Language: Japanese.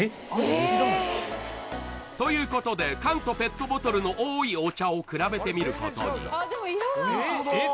味違うんですか？ということで缶とペットボトルのおいお茶を比べてみることにえっ